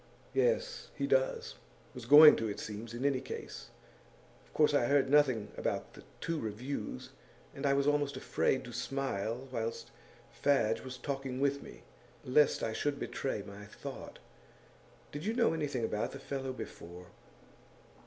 'Yes, he does. Was going to, it seems, in any case. Of course I heard nothing about the two reviews, and I was almost afraid to smile whilst Fadge was talking with me, lest I should betray my thought. Did you know anything about the fellow before?